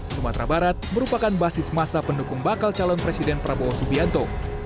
sumatera barat merupakan basis masa pendukung bakal calon presiden prabowo subianto